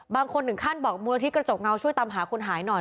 บางคนถึงขั้นบอกมูลที่กระจกเงาช่วยตามหาคนหายหน่อย